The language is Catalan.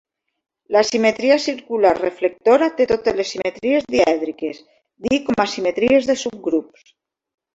La simetria circular reflectora té totes les simetries dièdriques, Dih com a simetries de subgrups.